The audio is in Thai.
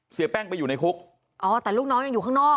เสียแป้งไปอยู่ในคุก